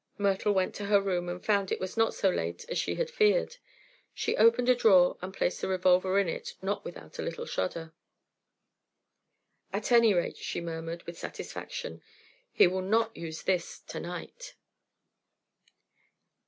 Myrtle went to her room and found it was not so late as she had feared. She opened a drawer and placed the revolver in it, not without a little shudder. "At any rate," she murmured, with satisfaction, "he will not use this to night."